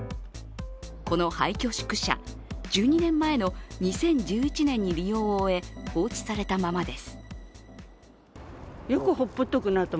この廃虚宿舎１２年前の２０１１年に利用を終え放置されたままです。